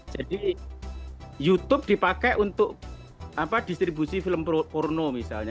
jadi youtube dipakai untuk distribusi film porno misalnya